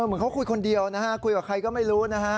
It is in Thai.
เหมือนเขาคุยคนเดียวนะฮะคุยกับใครก็ไม่รู้นะฮะ